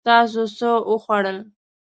تاسو څه وخوړل؟